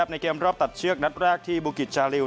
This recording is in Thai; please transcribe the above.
ในเกมรอบตัดเชือกนัดแรกที่บุกิจชาลิว